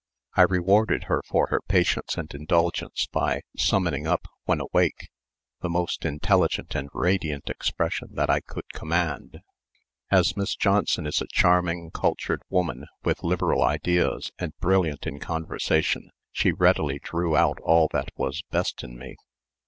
I rewarded her for her patience and indulgence by summoning up, when awake, the most intelligent and radiant expression that I could command. As Miss Johnson is a charming, cultured woman, with liberal ideas and brilliant in conversation, she readily drew out all that was best in me.